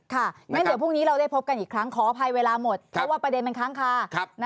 งั้นเดี๋ยวพรุ่งนี้เราได้พบกันอีกครั้งขออภัยเวลาหมดเพราะว่าประเด็นมันค้างคา